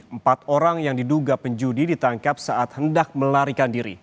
empat orang yang diduga penjudi ditangkap saat hendak melarikan diri